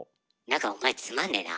なんかお前つまんねえな。